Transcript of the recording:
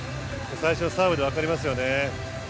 最初、サーブでわかりますよね。